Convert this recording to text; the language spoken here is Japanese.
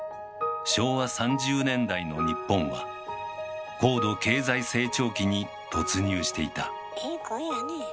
昭和３０年代の日本は高度経済成長期に突入していたええ